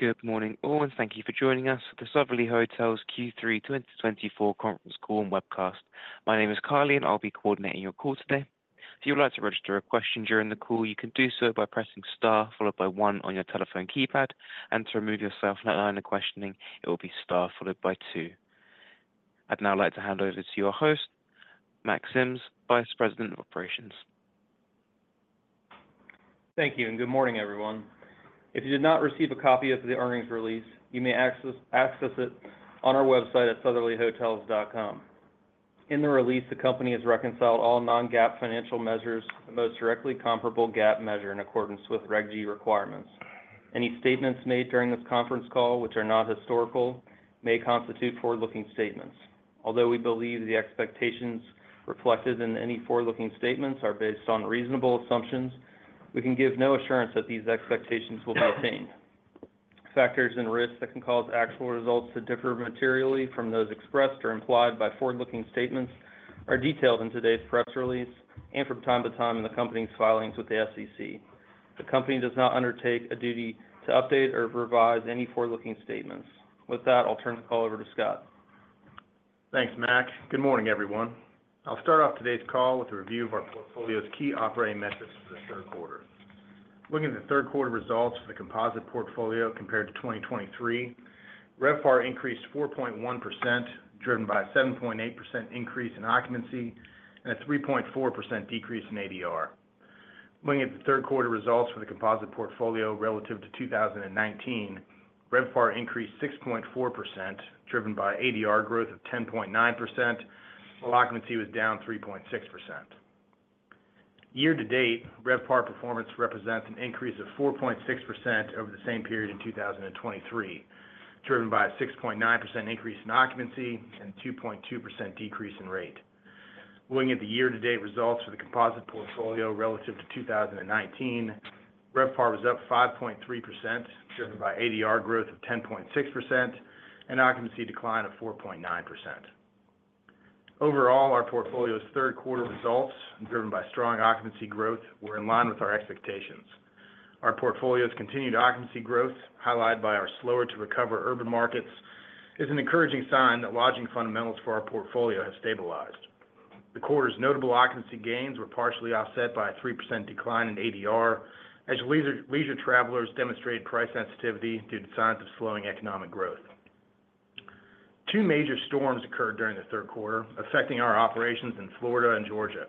Good morning all, and thank you for joining us for the Sotherly Hotels Q3 2024 Conference Call and Webcast. My name is Carly, and I'll be coordinating your call today. If you would like to register a question during the call, you can do so by pressing star followed by one on your telephone keypad, and to remove yourself from the line of questioning, it will be star followed by two. I'd now like to hand over to your host, Mack Sims, Vice President of Operations. Thank you, and good morning everyone. If you did not receive a copy of the earnings release, you may access it on our website at sotherlyhotels.com. In the release, the company has reconciled all non-GAAP financial measures to the most directly comparable GAAP measure in accordance with Reg. G requirements. Any statements made during this conference call, which are not historical, may constitute forward-looking statements. Although we believe the expectations reflected in any forward-looking statements are based on reasonable assumptions, we can give no assurance that these expectations will be attained. Factors and risks that can cause actual results to differ materially from those expressed or implied by forward-looking statements are detailed in today's press release and from time to time in the company's filings with the SEC. The company does not undertake a duty to update or revise any forward-looking statements. With that, I'll turn the call over to Scott. Thanks, Mack. Good morning everyone. I'll start off today's call with a review of our portfolio's key operating metrics for the third quarter. Looking at the third quarter results for the composite portfolio compared to 2023, RevPAR increased 4.1%, driven by a 7.8% increase in occupancy and a 3.4% decrease in ADR. Looking at the third quarter results for the composite portfolio relative to 2019, RevPAR increased 6.4%, driven by ADR growth of 10.9%, while occupancy was down 3.6%. Year-to-date, RevPAR performance represents an increase of 4.6% over the same period in 2023, driven by a 6.9% increase in occupancy and a 2.2% decrease in rate. Looking at the year-to-date results for the composite portfolio relative to 2019, RevPAR was up 5.3%, driven by ADR growth of 10.6%, and occupancy decline of 4.9%. Overall, our portfolio's third quarter results, driven by strong occupancy growth, were in line with our expectations. Our portfolio's continued occupancy growth, highlighted by our slower-to-recover urban markets, is an encouraging sign that lodging fundamentals for our portfolio have stabilized. The quarter's notable occupancy gains were partially offset by a 3% decline in ADR, as leisure travelers demonstrated price sensitivity due to signs of slowing economic growth. Two major storms occurred during the third quarter, affecting our operations in Florida and Georgia.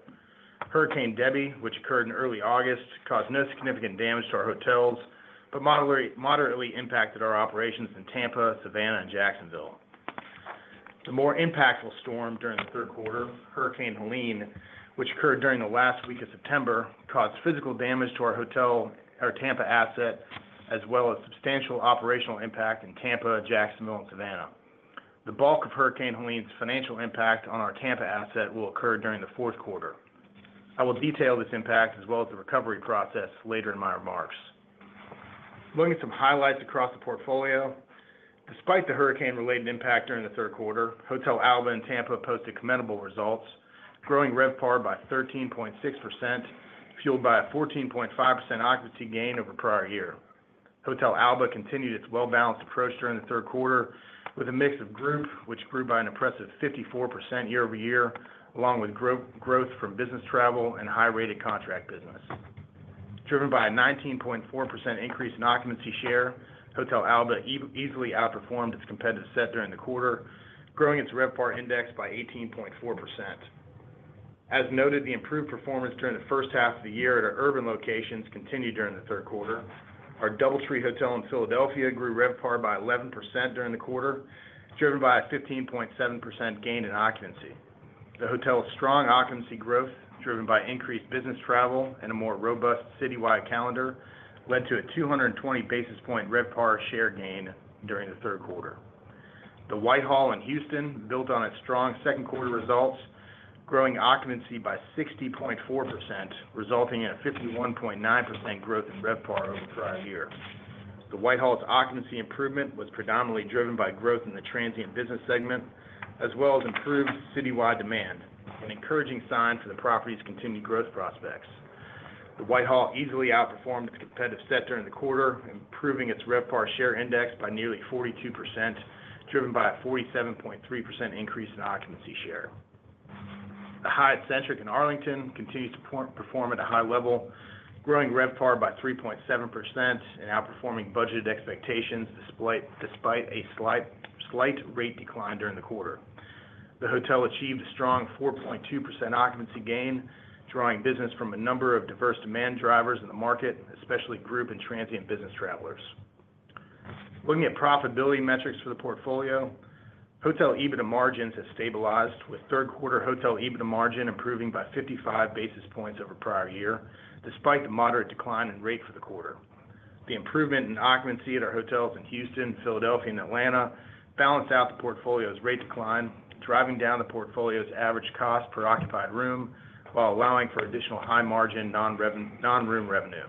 Hurricane Debby, which occurred in early August, caused no significant damage to our hotels but moderately impacted our operations in Tampa, Savannah, and Jacksonville. The more impactful storm during the third quarter, Hurricane Helene, which occurred during the last week of September, caused physical damage to our Tampa asset, as well as substantial operational impact in Tampa, Jacksonville, and Savannah. The bulk of Hurricane Helene's financial impact on our Tampa asset will occur during the fourth quarter. I will detail this impact as well as the recovery process later in my remarks. Looking at some highlights across the portfolio, despite the hurricane-related impact during the third quarter, Hotel Alba in Tampa posted commendable results, growing RevPAR by 13.6%, fueled by a 14.5% occupancy gain over the prior year. Hotel Alba continued its well-balanced approach during the third quarter with a mix of group, which grew by an impressive 54% year-over-year, along with growth from business travel and high-rated contract business. Driven by a 19.4% increase in occupancy share, Hotel Alba easily outperformed its competitive set during the quarter, growing its RevPAR index by 18.4%. As noted, the improved performance during the first half of the year at our urban locations continued during the third quarter. Our DoubleTree Hotel in Philadelphia grew RevPAR by 11% during the quarter, driven by a 15.7% gain in occupancy. The hotel's strong occupancy growth, driven by increased business travel and a more robust citywide calendar, led to a 220 basis points RevPAR share gain during the third quarter. The Whitehall in Houston, built on its strong second quarter results, growing occupancy by 60.4%, resulting in a 51.9% growth in RevPAR over the prior year. The Whitehall's occupancy improvement was predominantly driven by growth in the transient business segment, as well as improved citywide demand, an encouraging sign for the property's continued growth prospects. The Whitehall easily outperformed its competitive set during the quarter, improving its RevPAR share index by nearly 42%, driven by a 47.3% increase in occupancy share. The Hyatt Centric in Arlington continues to perform at a high level, growing RevPAR by 3.7% and outperforming budgeted expectations despite a slight rate decline during the quarter. The hotel achieved a strong 4.2% occupancy gain, drawing business from a number of diverse demand drivers in the market, especially group and transient business travelers. Looking at profitability metrics for the portfolio, hotel EBITDA margins have stabilized, with third quarter hotel EBITDA margin improving by 55 basis points over the prior year, despite the moderate decline in rate for the quarter. The improvement in occupancy at our hotels in Houston, Philadelphia, and Atlanta balanced out the portfolio's rate decline, driving down the portfolio's average cost per occupied room while allowing for additional high-margin non-room revenue.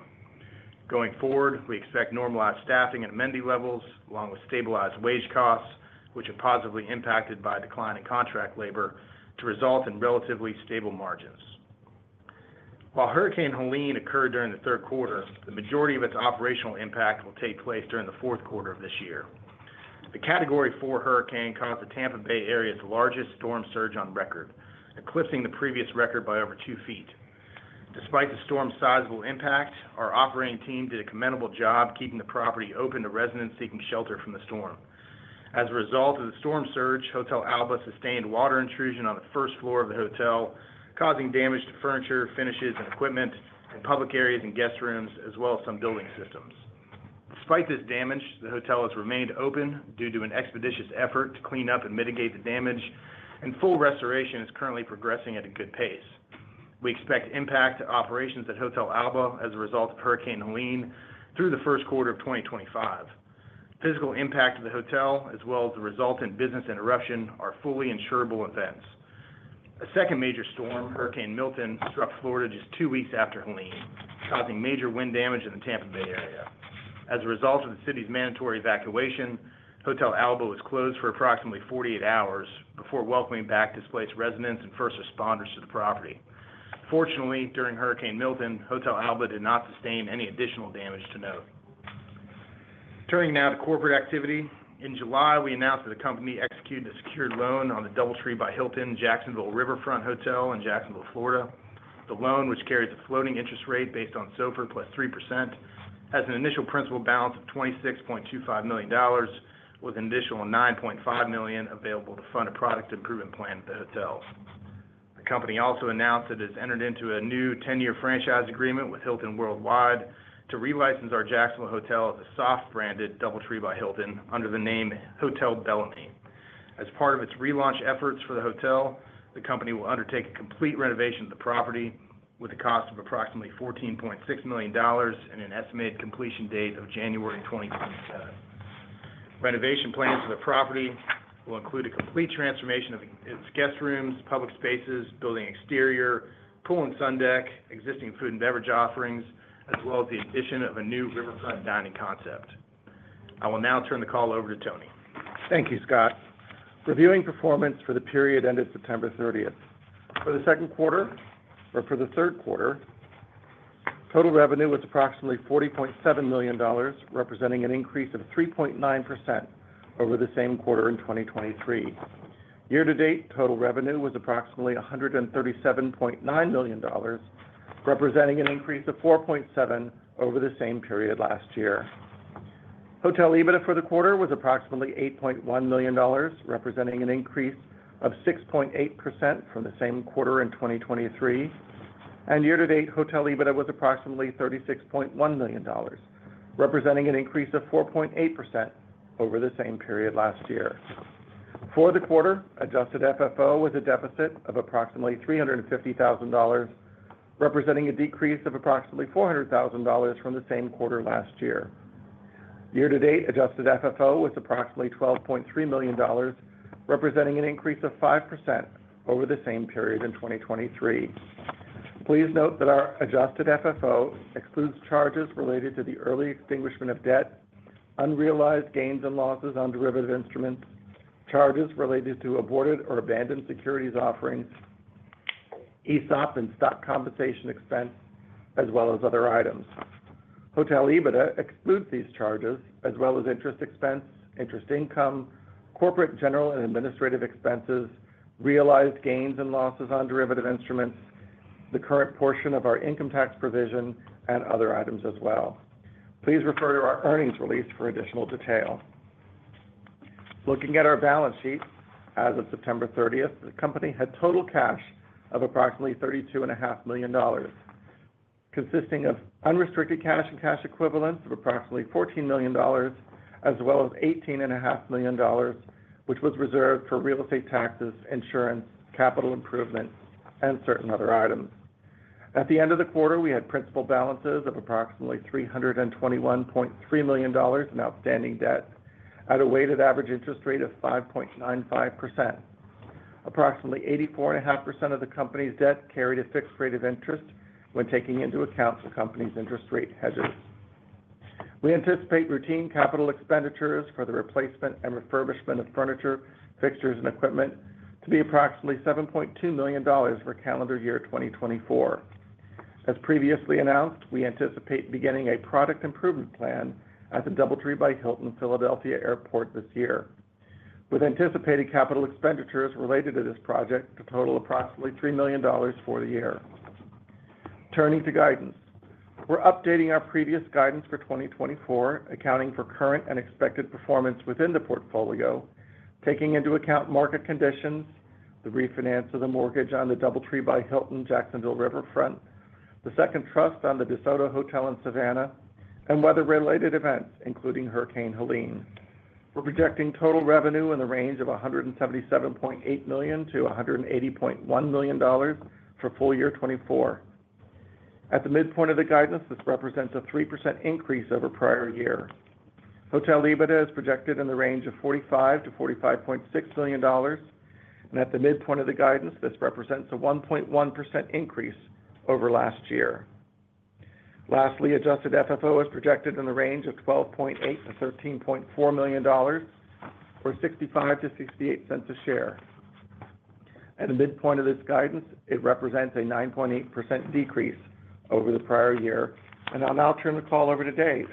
Going forward, we expect normalized staffing and amenity levels, along with stabilized wage costs, which are positively impacted by a decline in contract labor, to result in relatively stable margins. While Hurricane Helene occurred during the third quarter, the majority of its operational impact will take place during the fourth quarter of this year. The Category 4 hurricane caused the Tampa Bay area's largest storm surge on record, eclipsing the previous record by over two feet. Despite the storm's sizable impact, our operating team did a commendable job keeping the property open to residents seeking shelter from the storm. As a result of the storm surge, Hotel Alba sustained water intrusion on the first floor of the hotel, causing damage to furniture, finishes, and equipment in public areas and guest rooms, as well as some building systems. Despite this damage, the hotel has remained open due to an expeditious effort to clean up and mitigate the damage, and full restoration is currently progressing at a good pace. We expect impact to operations at Hotel Alba as a result of Hurricane Helene through the first quarter of 2025. Physical impact to the hotel, as well as the resultant business interruption, are fully insurable events. A second major storm, Hurricane Milton, struck Florida just two weeks after Helene, causing major wind damage in the Tampa Bay area. As a result of the city's mandatory evacuation, Hotel Alba was closed for approximately 48 hours before welcoming back displaced residents and first responders to the property. Fortunately, during Hurricane Milton, Hotel Alba did not sustain any additional damage to note. Turning now to corporate activity, in July, we announced that the company executed a secured loan on the DoubleTree by Hilton Hotel Jacksonville Riverfront in Jacksonville, Florida. The loan, which carries a floating interest rate based on SOFR +3%, has an initial principal balance of $26.25 million, with an additional $9.5 million available to fund a product improvement plan at the hotel. The company also announced that it has entered into a new 10-year franchise agreement with Hilton Worldwide to relicense our Jacksonville hotel as a soft-branded DoubleTree by Hilton under the name Hotel Bellamy. As part of its relaunch efforts for the hotel, the company will undertake a complete renovation of the property with a cost of approximately $14.6 million and an estimated completion date of January 2027. Renovation plans for the property will include a complete transformation of its guest rooms, public spaces, building exterior, pool and sundeck, existing food and beverage offerings, as well as the addition of a new riverfront dining concept. I will now turn the call over to Tony. Thank you, Scott. Reviewing performance for the period ended September 30th. For the second quarter, or for the third quarter, total revenue was approximately $40.7 million, representing an increase of 3.9% over the same quarter in 2023. Year-to-date total revenue was approximately $137.9 million, representing an increase of 4.7% over the same period last year. Hotel EBITDA for the quarter was approximately $8.1 million, representing an increase of 6.8% from the same quarter in 2023. Year-to-date, Hotel EBITDA was approximately $36.1 million, representing an increase of 4.8% over the same period last year. For the quarter, adjusted FFO was a deficit of approximately $350,000, representing a decrease of approximately $400,000 from the same quarter last year. Year-to-date, adjusted FFO was approximately $12.3 million, representing an increase of 5% over the same period in 2023. Please note that our Adjusted FFO excludes charges related to the early extinguishment of debt, unrealized gains and losses on derivative instruments, charges related to aborted or abandoned securities offerings, ESOP and stock compensation expense, as well as other items. Hotel EBITDA excludes these charges, as well as interest expense, interest income, corporate general and administrative expenses, realized gains and losses on derivative instruments, the current portion of our income tax provision, and other items as well. Please refer to our earnings release for additional detail. Looking at our balance sheet as of September 30th, the company had total cash of approximately $32.5 million, consisting of unrestricted cash and cash equivalents of approximately $14 million, as well as $18.5 million, which was reserved for real estate taxes, insurance, capital improvements, and certain other items. At the end of the quarter, we had principal balances of approximately $321.3 million in outstanding debt at a weighted average interest rate of 5.95%. Approximately 84.5% of the company's debt carried a fixed rate of interest when taking into account the company's interest rate hedges. We anticipate routine capital expenditures for the replacement and refurbishment of furniture, fixtures, and equipment to be approximately $7.2 million for calendar year 2024. As previously announced, we anticipate beginning a product improvement plan at the DoubleTree by Hilton Philadelphia Airport this year, with anticipated capital expenditures related to this project to total approximately $3 million for the year. Turning to guidance, we're updating our previous guidance for 2024, accounting for current and expected performance within the portfolio, taking into account market conditions, the refinance of the mortgage on the DoubleTree by Hilton Jacksonville Riverfront, the second trust on the DeSoto Hotel in Savannah, and weather-related events, including Hurricane Helene. We're projecting total revenue in the range of $177.8-$180.1 million for full year 2024. At the midpoint of the guidance, this represents a 3% increase over prior year. Hotel EBITDA is projected in the range of $45-$45.6 million, and at the midpoint of the guidance, this represents a 1.1% increase over last year. Lastly, adjusted FFO is projected in the range of $12.8-$13.4 million, or $0.65-$0.68 a share. At the midpoint of this guidance, it represents a 9.8% decrease over the prior year, and I'll now turn the call over to Dave.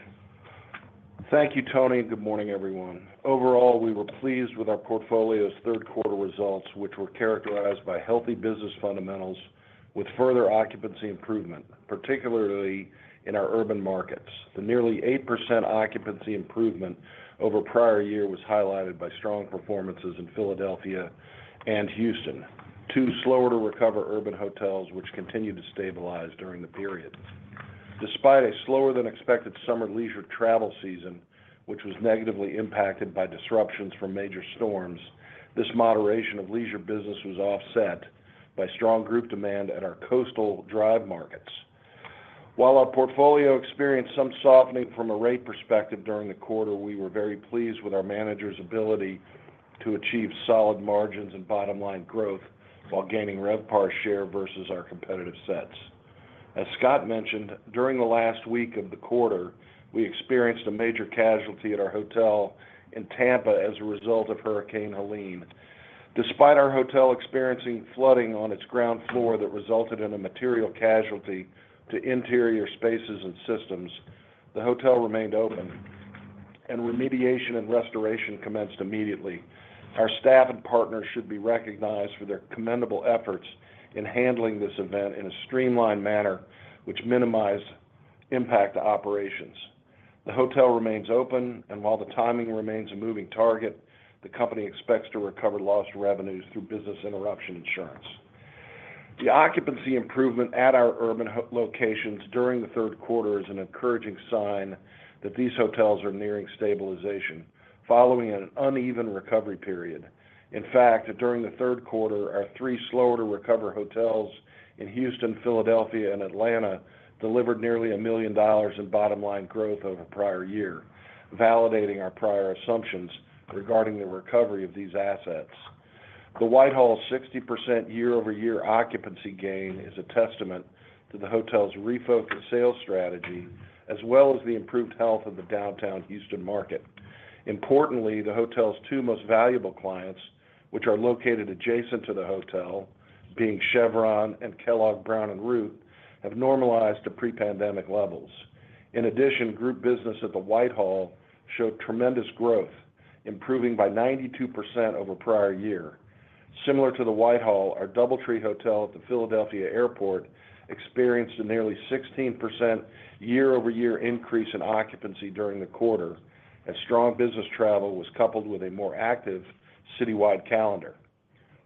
Thank you, Tony, and good morning, everyone. Overall, we were pleased with our portfolio's third quarter results, which were characterized by healthy business fundamentals with further occupancy improvement, particularly in our urban markets. The nearly 8% occupancy improvement over prior year was highlighted by strong performances in Philadelphia and Houston, two slower-to-recover urban hotels which continued to stabilize during the period. Despite a slower-than-expected summer leisure travel season, which was negatively impacted by disruptions from major storms, this moderation of leisure business was offset by strong group demand at our coastal drive markets. While our portfolio experienced some softening from a rate perspective during the quarter, we were very pleased with our manager's ability to achieve solid margins and bottom-line growth while gaining RevPAR share versus our competitive sets. As Scott mentioned, during the last week of the quarter, we experienced a major casualty at our hotel in Tampa as a result of Hurricane Helene. Despite our hotel experiencing flooding on its ground floor that resulted in a material casualty to interior spaces and systems, the hotel remained open, and remediation and restoration commenced immediately. Our staff and partners should be recognized for their commendable efforts in handling this event in a streamlined manner, which minimized impact to operations. The hotel remains open, and while the timing remains a moving target, the company expects to recover lost revenues through business interruption insurance. The occupancy improvement at our urban locations during the third quarter is an encouraging sign that these hotels are nearing stabilization following an uneven recovery period. In fact, during the third quarter, our three slower-to-recover hotels in Houston, Philadelphia, and Atlanta delivered nearly $1 million in bottom-line growth over prior year, validating our prior assumptions regarding the recovery of these assets. The Whitehall's 60% year-over-year occupancy gain is a testament to the hotel's refocused sales strategy, as well as the improved health of the downtown Houston market. Importantly, the hotel's two most valuable clients, which are located adjacent to the hotel, being Chevron and Kellogg Brown & Root, have normalized to pre-pandemic levels. In addition, group business at the Whitehall showed tremendous growth, improving by 92% over prior year. Similar to the Whitehall, our DoubleTree Hotel at the Philadelphia Airport experienced a nearly 16% year-over-year increase in occupancy during the quarter, as strong business travel was coupled with a more active citywide calendar.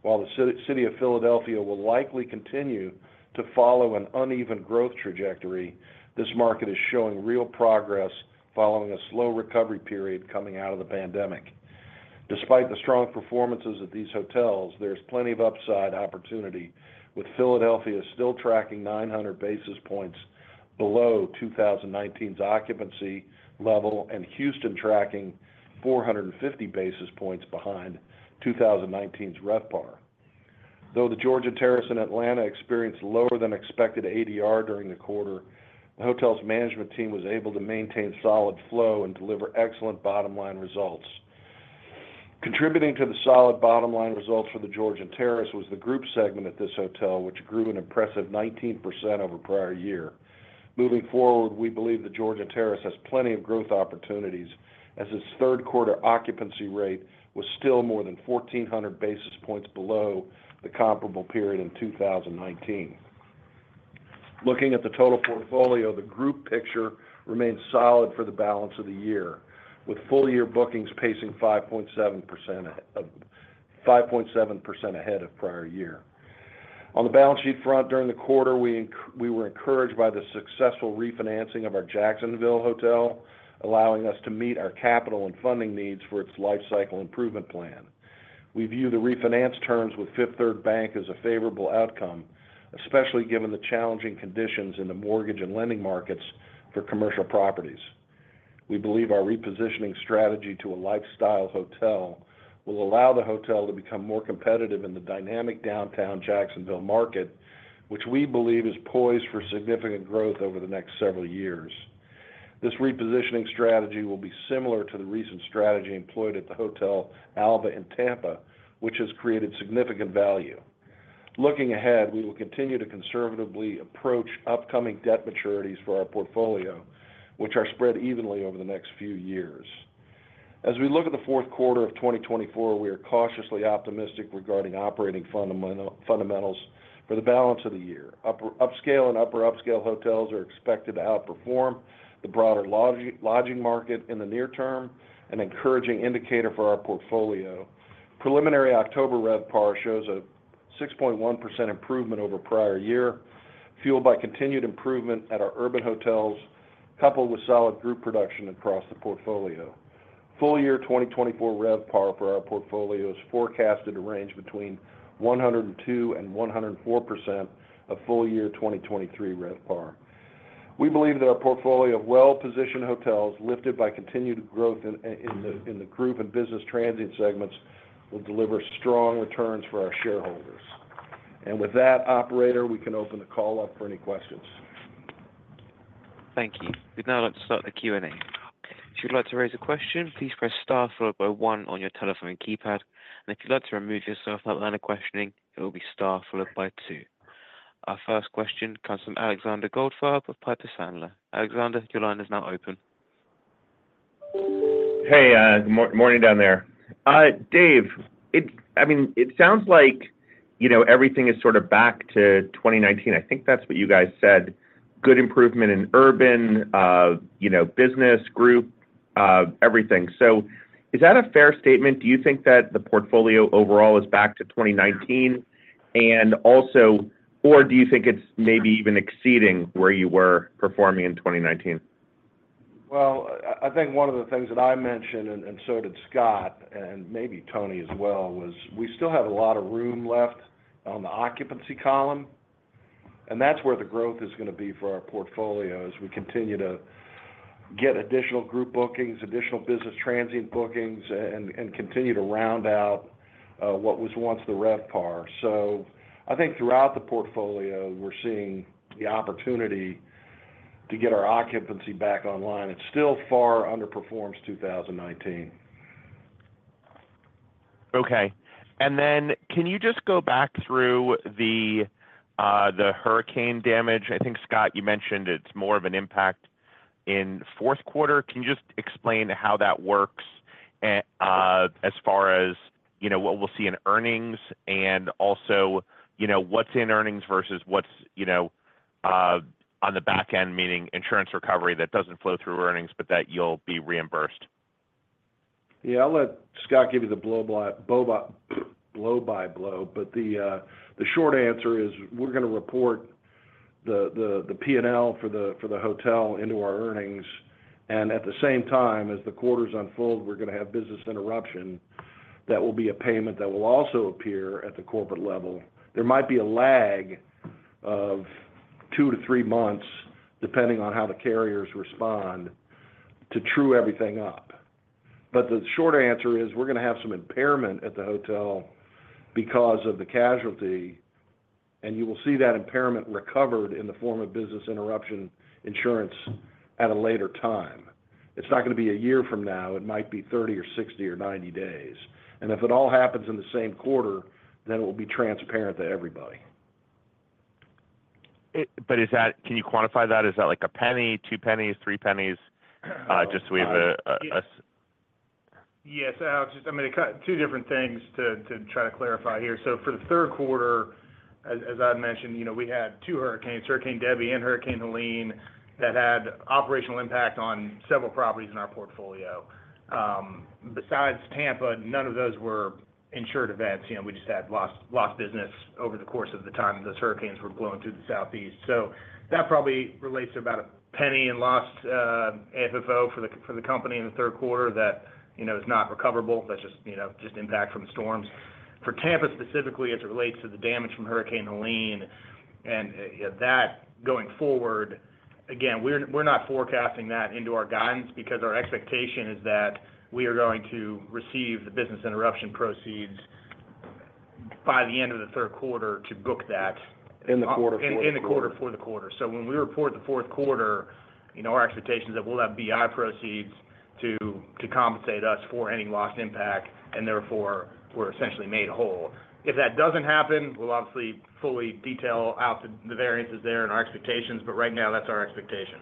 While the city of Philadelphia will likely continue to follow an uneven growth trajectory, this market is showing real progress following a slow recovery period coming out of the pandemic. Despite the strong performances at these hotels, there is plenty of upside opportunity, with Philadelphia still tracking 900 basis points below 2019's occupancy level and Houston tracking 450 basis points behind 2019's RevPAR. Though the Georgian Terrace in Atlanta experienced lower-than-expected ADR during the quarter, the hotel's management team was able to maintain solid flow and deliver excellent bottom-line results. Contributing to the solid bottom-line results for the Georgian Terrace was the group segment at this hotel, which grew an impressive 19% over prior year. Moving forward, we believe the Georgian Terrace has plenty of growth opportunities, as its third quarter occupancy rate was still more than 1,400 basis points below the comparable period in 2019. Looking at the total portfolio, the group picture remains solid for the balance of the year, with full-year bookings pacing 5.7% ahead of prior year. On the balance sheet front, during the quarter, we were encouraged by the successful refinancing of our Jacksonville Hotel, allowing us to meet our capital and funding needs for its lifecycle improvement plan. We view the refinance terms with Fifth Third Bank as a favorable outcome, especially given the challenging conditions in the mortgage and lending markets for commercial properties. We believe our repositioning strategy to a lifestyle hotel will allow the hotel to become more competitive in the dynamic downtown Jacksonville market, which we believe is poised for significant growth over the next several years. This repositioning strategy will be similar to the recent strategy employed at the Hotel Alba in Tampa, which has created significant value. Looking ahead, we will continue to conservatively approach upcoming debt maturities for our portfolio, which are spread evenly over the next few years. As we look at the fourth quarter of 2024, we are cautiously optimistic regarding operating fundamentals for the balance of the year. Upscale and upper-upscale hotels are expected to outperform the broader lodging market in the near term, an encouraging indicator for our portfolio. Preliminary October RevPAR shows a 6.1% improvement over prior year, fueled by continued improvement at our urban hotels, coupled with solid group production across the portfolio. Full-year 2024 RevPAR for our portfolio is forecast to range between 102% and 104% of full-year 2023 RevPAR. We believe that our portfolio of well-positioned hotels, lifted by continued growth in the group and business transient segments, will deliver strong returns for our shareholders. And with that, Operator, we can open the call up for any questions. Thank you. We'd now like to start the Q&A. If you'd like to raise a question, please press Star followed by one on your telephone keypad. And if you'd like to remove yourself without any questioning, it will be Star followed by two. Our first question comes from Alexander Goldfarb of Piper Sandler. Alexander, your line is now open. Hey, good morning down there. Dave, I mean, it sounds like everything is sort of back to 2019. I think that's what you guys said. Good improvement in urban, business, group, everything. So is that a fair statement? Do you think that the portfolio overall is back to 2019, or do you think it's maybe even exceeding where you were performing in 2019? I think one of the things that I mentioned, and so did Scott, and maybe Tony as well, was we still have a lot of room left on the occupancy column. That's where the growth is going to be for our portfolio as we continue to get additional group bookings, additional business transient bookings, and continue to round out what was once the RevPAR. I think throughout the portfolio, we're seeing the opportunity to get our occupancy back online. It still far underperforms 2019. Okay. And then can you just go back through the hurricane damage? I think, Scott, you mentioned it's more of an impact in fourth quarter. Can you just explain how that works as far as what we'll see in earnings and also what's in earnings versus what's on the back end, meaning insurance recovery that doesn't flow through earnings, but that you'll be reimbursed? Yeah, I'll let Scott give you the blow-by-blow, but the short answer is we're going to report the P&L for the hotel into our earnings. And at the same time, as the quarters unfold, we're going to have business interruption that will be a payment that will also appear at the corporate level. There might be a lag of two to three months, depending on how the carriers respond, to true everything up. But the short answer is we're going to have some impairment at the hotel because of the casualty, and you will see that impairment recovered in the form of business interruption insurance at a later time. It's not going to be a year from now. It might be 30 or 60 or 90 days. And if it all happens in the same quarter, then it will be transparent to everybody. But can you quantify that? Is that like a penny, two pennies, three pennies, just so we have a? Yes, Alex. I mean, two different things to try to clarify here. So for the third quarter, as I had mentioned, we had two hurricanes, Hurricane Debby and Hurricane Helene, that had operational impact on several properties in our portfolio. Besides Tampa, none of those were insured events. We just had lost business over the course of the time those hurricanes were blowing through the southeast. So that probably relates to about $0.01 in lost AFFO for the company in the third quarter that is not recoverable. That's just impact from storms. For Tampa specifically, as it relates to the damage from Hurricane Helene and that going forward, again, we're not forecasting that into our guidance because our expectation is that we are going to receive the business interruption proceeds by the end of the third quarter to book that. In the quarter for the quarter. In the quarter for the quarter. So when we report the fourth quarter, our expectation is that we'll have BI proceeds to compensate us for any lost impact, and therefore, we're essentially made whole. If that doesn't happen, we'll obviously fully detail out the variances there and our expectations, but right now, that's our expectation.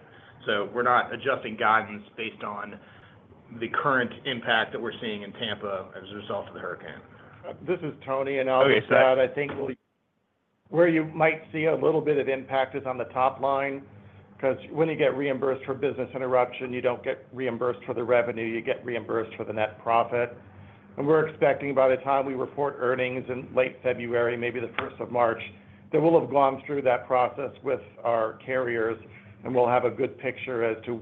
So we're not adjusting guidance based on the current impact that we're seeing in Tampa as a result of the hurricane. This is Tony, and I'll just add, I think where you might see a little bit of impact is on the top line because when you get reimbursed for business interruption, you don't get reimbursed for the revenue. You get reimbursed for the net profit, and we're expecting by the time we report earnings in late February, maybe the 1st of March, that we'll have gone through that process with our carriers, and we'll have a good picture as to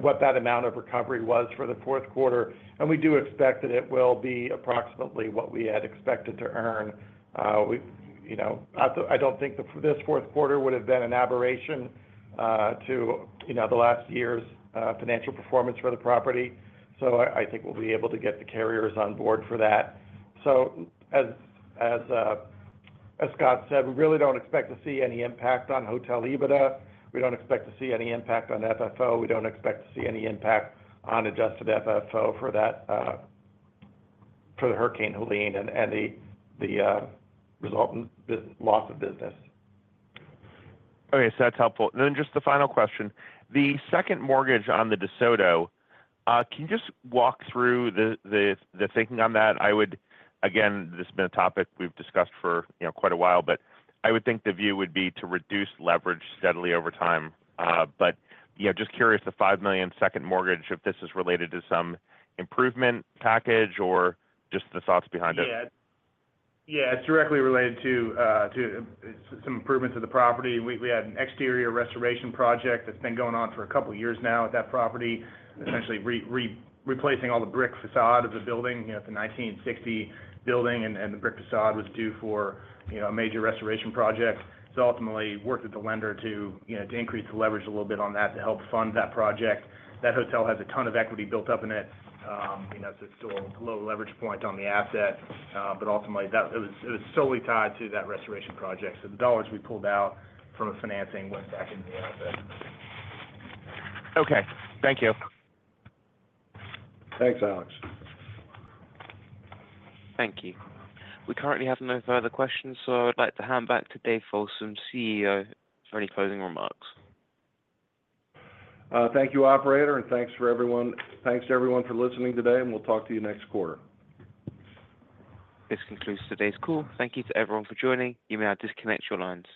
what that amount of recovery was for the fourth quarter, and we do expect that it will be approximately what we had expected to earn. I don't think this fourth quarter would have been an aberration to the last year's financial performance for the property, so I think we'll be able to get the carriers on board for that. So as Scott said, we really don't expect to see any impact on Hotel Alba. We don't expect to see any impact on FFO. We don't expect to see any impact on adjusted FFO for the Hurricane Helene and the resultant loss of business. Okay. So that's helpful. And then just the final question. The second mortgage on the DeSoto, can you just walk through the thinking on that? Again, this has been a topic we've discussed for quite a while, but I would think the view would be to reduce leverage steadily over time. But just curious, the $5 million second mortgage, if this is related to some improvement package or just the thoughts behind it? Yeah. Yeah. It's directly related to some improvements to the property. We had an exterior restoration project that's been going on for a couple of years now at that property, essentially replacing all the brick facade of the building. It's a 1960 building, and the brick facade was due for a major restoration project. So ultimately, worked with the lender to increase the leverage a little bit on that to help fund that project. That hotel has a ton of equity built up in it. It's a low leverage point on the asset, but ultimately, it was solely tied to that restoration project. So the dollars we pulled out from financing went back into the asset. Okay. Thank you. Thanks, Alex. Thank you. We currently have no further questions, so I'd like to hand back to Dave Folsom, CEO, for any closing remarks. Thank you, Operator, and thanks to everyone. Thanks to everyone for listening today, and we'll talk to you next quarter. This concludes today's call. Thank you to everyone for joining. You may now disconnect your lines.